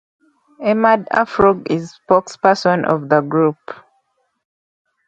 Emad Afroogh is Spokesperson of the group.